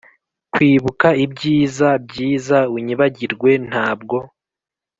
kwibuka ibyiza byiza unyibagirwe-ntabwo